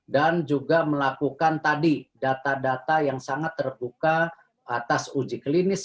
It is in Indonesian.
dan juga melakukan tadi data data yang sangat terbuka atas uji klinis satu dua